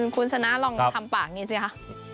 คุณชนะลองทำปากอย่างนี้สิค่ะ